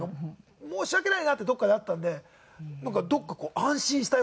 申し訳ないなってどこかであったんでなんかどこかこう安心したような。